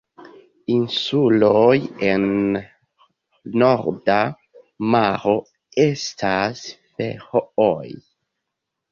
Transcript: Insuloj en Norda maro estas Ferooj.